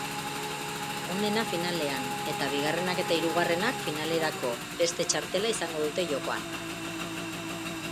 Onena finalean eta bigarrenak eta hirugarrenak finalerako beste txartela izango dute jokoan.